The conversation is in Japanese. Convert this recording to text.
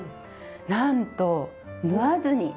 なんと縫わずに！